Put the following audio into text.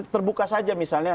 terbuka saja misalnya